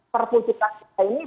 perpu cita kita ini